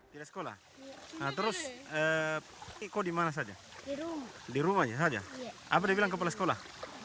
tidak sekolah terus ikut dimana saja di rumah saja apa dia bilang kepala sekolah